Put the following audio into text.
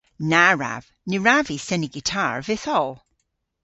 Na wrav. Ny wrav vy seni gitar vyth oll.